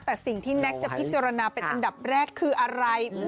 แต่สิ่งที่แน็กจะพิจารณาเป็นอันดับแรกคืออะไร